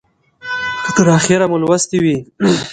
که تر اخیره مو لوستې وي